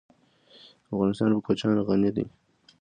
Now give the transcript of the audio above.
افغانستان په کوچیان غني دی.